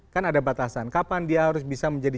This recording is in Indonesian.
kan ada batasan kapan dia harus bisa menjadi